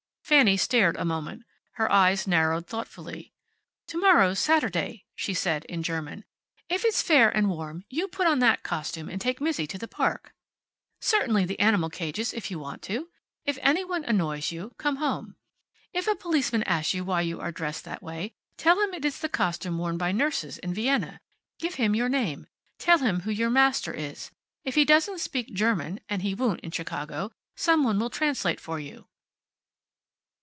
Fanny stared a moment. Her eyes narrowed thoughtfully. "To morrow's Saturday," she said, in German. "If it's fair and warm you put on that costume and take Mizzi to the park.... Certainly the animal cages, if you want to. If any one annoys you, come home. If a policeman asks you why you are dressed that way tell him it is the costume worn by nurses in Vienna. Give him your name. Tell him who your master is. If he doesn't speak German and he won't, in Chicago some one will translate for you."